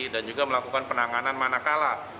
dan juga melakukan penanganan mana kalah